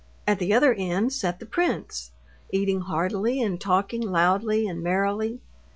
At the other end sat the prince, eating heartily, and talking loudly and merrily.